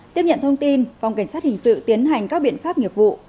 tiếp nhận thông tin phòng cảnh sát hình sự tiến hành các biện pháp nghiệp vụ